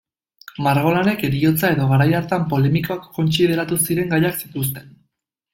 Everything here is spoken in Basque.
Margolanek heriotza edo garai hartan polemikoak kontsideratu ziren gaiak zituzten.